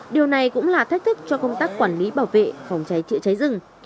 điều này cũng là thách thức cho công tác quản lý bảo vệ phòng cháy chữa cháy rừng